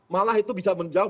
malah itu bisa menjauh